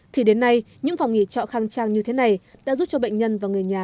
thì đến nay những phòng nghỉ trọ khang trang như thế này đã giúp cho bệnh nhân và người nhà